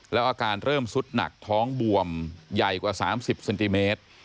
แล้วอาการเริ่มสุดหนักท้องบวมใหญ่กว่า๓๐เซนติเมตร